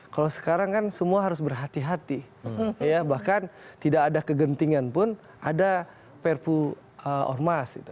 kalau sekarang kan semua harus berhati hati bahkan tidak ada kegentingan pun ada perpu ormas